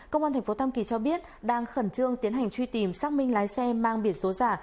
công an tp tam kỳ cho biết đang khẩn trương tiến hành truy tìm xác minh lái xe mang biển số giả